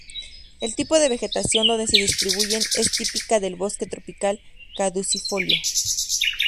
El tipo de vegetación donde se distribuyen es típica del bosque tropical caducifolio.